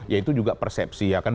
yaitu juga persepsi ya kan